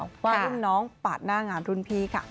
ว่ารุ่นน้องปาดหน้างานรุ่นพี่ค่ะ